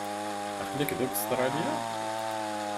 Aql-ik deg Ustṛalya?